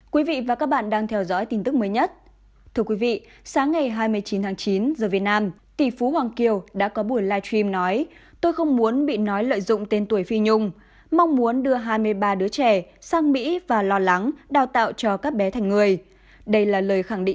các bạn hãy đăng ký kênh để ủng hộ kênh của chúng mình nhé